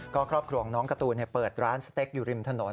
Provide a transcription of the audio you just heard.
ก็ครอบครัวของน้องการ์ตูนเปิดร้านสเต็กอยู่ริมถนน